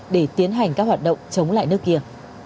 để tiến hành các hoạt động chống lại nước kia